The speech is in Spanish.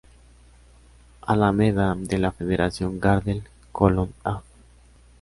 Alameda de la Federación, Gardel, Colón, Av.